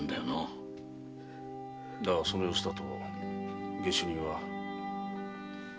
だがその様子だと下手人は？